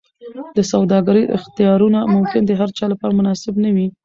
د سوداګرۍ اختیارونه ممکن د هرچا لپاره مناسب نه وي.